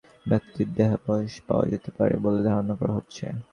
সেখানে বাংলাদেশিসহ অর্ধশতাধিক ব্যক্তির দেহাবশেষ পাওয়া যেতে পারে বলে ধারণা করা হচ্ছে।